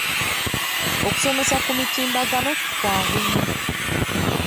Okusomera ku mutimbagano kwanguwa nnyo.